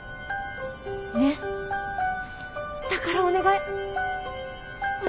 ねっだからお願い！